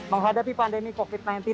menghadapi pandemi covid sembilan belas